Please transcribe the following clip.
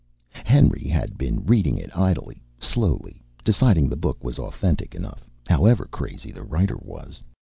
Henry had been reading it idly, slowly deciding the book was authentic enough, however crazy the writer was.